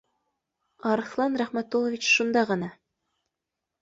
Арыҫлан Рәхмәтуллович шунда ғына